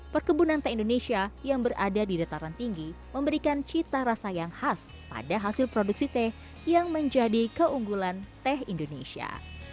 perkebunan teh indonesia yang berada di dataran tinggi memberikan cita rasa yang khas pada hasil produksi teh yang menjadi keunggulan teh indonesia